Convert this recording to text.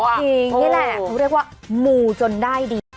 จริงนี่แหละเขาเรียกว่ามูจนได้ดี